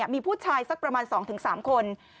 มีผู้ชาย๒๓คน